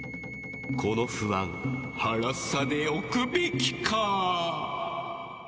この不安、はらさでおくべきか。